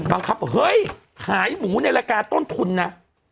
อะครับเฮ้ยหายหมูในรายการต้นทุนน่ะ